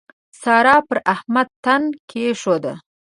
سارا پر احمد تن کېښود.